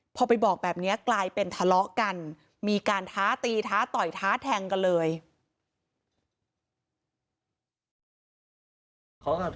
พอไปบอกแบบนี้กลายเป็นทะเลาะกันมีการท้าตีท้าต่อยท้าแทงกันเลย